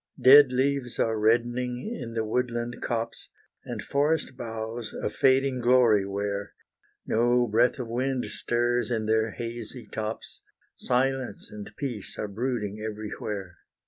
Dead leaves are reddening in the woodland copse, And forest boughs a fading glory wear; No breath of wind stirs in their hazy tops, Silence and peace are brooding everywhere.